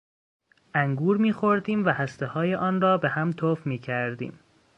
انگور میخوردیم و هستههای آن را به هم تف میکردیم.